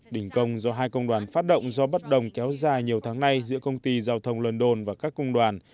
đình công do hai công đoàn phát động do bất đồng kéo dài nhiều tháng nay giữa công ty giao thông london và các công đoàn